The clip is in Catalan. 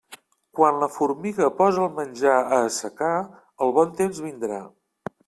Quan la formiga posa el menjar a assecar, el bon temps vindrà.